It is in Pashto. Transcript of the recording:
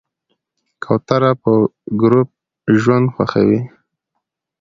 کوتره په ګروپ ژوند خوښوي.